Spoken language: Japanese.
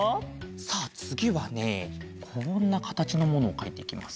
さあつぎはねこんなかたちのものをかいていきます。